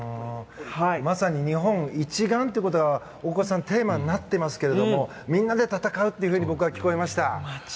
まさに日本一丸ということが大越さんテーマになっていますがみんなで戦うというふうに僕は聞こえました。